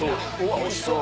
おいしそう。